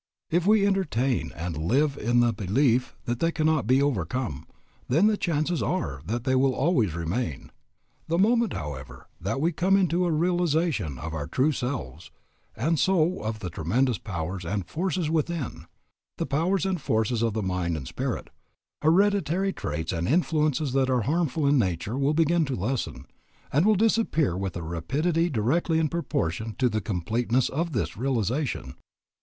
If we entertain and live in the belief that they cannot be overcome, then the chances are that they will always remain. The moment, however, that we come into a realization of our true selves, and so of the tremendous powers and forces within, the powers and forces of the mind and spirit, hereditary traits and influences that are harmful in nature will begin to lessen, and will disappear with a rapidity directly in proportion to the completeness of this realization.